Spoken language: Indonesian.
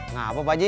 ngapain pak ji